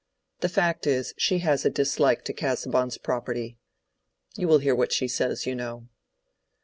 The fact is, she has a dislike to Casaubon's property. You will hear what she says, you know."